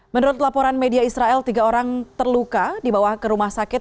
menurut laporan media israel tiga orang terluka dibawa ke rumah sakit